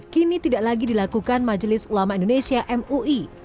kini tidak lagi dilakukan majelis ulama indonesia mui